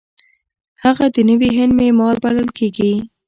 هغه د نوي هند معمار بلل کیږي.